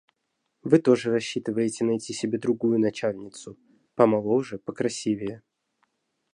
Вы тоже рассчитываете найти себе другую начальницу, помоложе, покрасивее.